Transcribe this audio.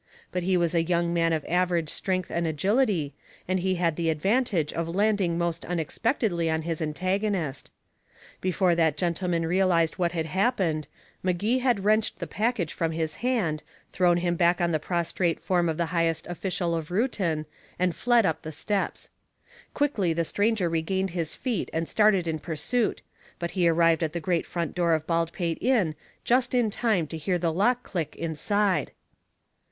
But he was a young man of average strength and agility, and he had the advantage of landing most unexpectedly on his antagonist. Before that gentleman realized what had happened, Magee had wrenched the package from his hand, thrown him back on the prostrate form of the highest official of Reuton, and fled up the steps. Quickly the stranger regained his feet and started in pursuit, but he arrived at the great front door of Baldpate Inn just in time to hear the lock click inside.